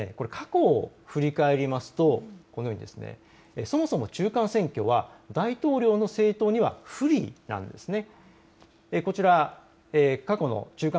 過去を振り返りますとそもそも中間選挙は大統領の政党には不利なんですね。